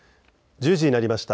１０時になりました。